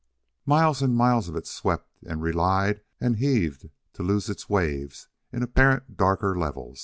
Miles and miles it swept and relied and heaved to lose its waves in apparent darker level.